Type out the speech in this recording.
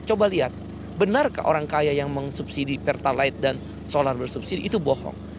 coba lihat benarkah orang kaya yang mengsubsidi pertalite dan solar bersubsidi itu bohong